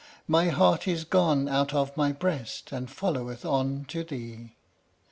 My heart is gone out of my breast, And followeth on to thee." II.